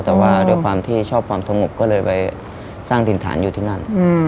แต่ว่าด้วยความที่ชอบความสงบก็เลยไปสร้างดินฐานอยู่ที่นั่น